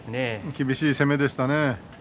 厳しい攻めでしたね。